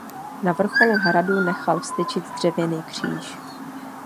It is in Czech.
Na vrcholu hradu nechal vztyčit dřevěný kříž.